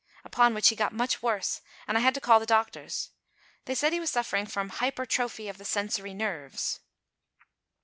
Upon which he got much worse, and I had to call the doctors. They said he was suffering from hypertrophy of the sensory nerves.